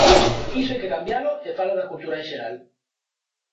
Iso hai que cambialo e falo da cultural en xeral.